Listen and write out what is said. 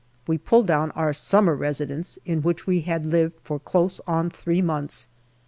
We pull down our " summer residence/' in which we had lived for close on three months.